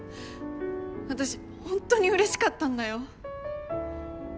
私ホントに嬉しかったんだよ